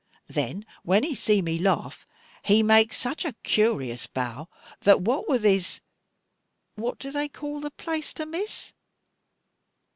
Then when he see me laugh, he make me such a coorous bow, that what with his what do they call the plaister, Miss?"